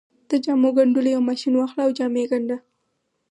د جامو ګنډلو يو ماشين واخله او جامې ګنډه.